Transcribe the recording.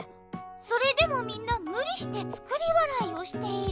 それでもみんなむりして作り笑いをしている。